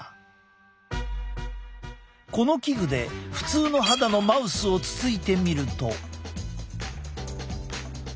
この器具で普通の肌のマウスをつついてみると。